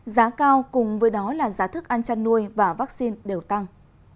giá cao cùng với đó là giá thức ăn chăn nuôi và vaccine đều tăng